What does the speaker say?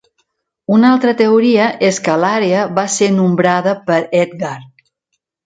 Una altra teoria és que l'àrea va ser nombrada per Edgar.